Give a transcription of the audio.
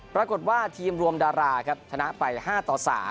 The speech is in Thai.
ปรากฏว่าทีมรวมดาราครับชนะไป๕ต่อ๓